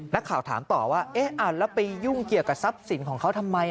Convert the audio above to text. นักข่าวถามต่อว่าเอ๊ะแล้วไปยุ่งเกี่ยวกับทรัพย์สินของเขาทำไม